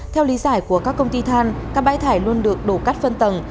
theo lý giải của các công ty than các bãi thải luôn được đổ cắt phân tầng